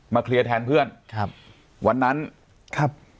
เคลียร์แทนเพื่อนครับวันนั้นครับ